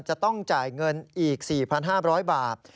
จะต้องจ่ายเงินอีก๔๕๐๐บาท